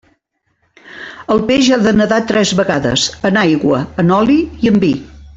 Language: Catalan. El peix ha de nadar tres vegades: en aigua, en oli i en vi.